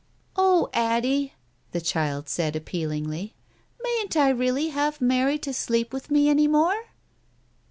"Oh, Addie !" the child said appealingly. "Mayn't I really have Mary to sleep with me any more